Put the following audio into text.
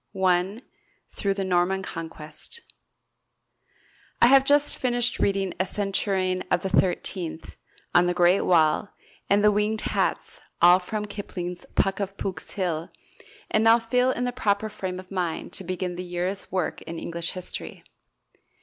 I. Through the Norman Conquest I have just finished reading "A Centurion of the Thirtieth," "On the Great Wall," and "The Winged Hats" all from Kipling's "Puck of Pook's Hill" and I now feel in the proper frame of mind to begin the year's work in English History.